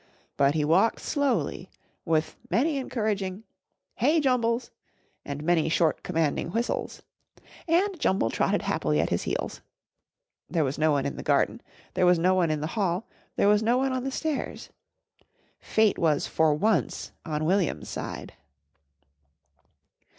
But he walked slowly, with many encouraging "Hey! Jumbles" and many short commanding whistles. And Jumble trotted happily at his heels. There was no one in the garden, there was no one in the hall, there was no one on the stairs. Fate was for once on William's side.